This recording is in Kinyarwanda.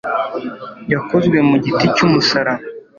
Yakozwe mu giti cy'umusaraba